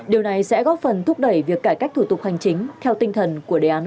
điều này sẽ góp phần thúc đẩy việc cải cách thủ tục hành chính theo tinh thần của đề án sáu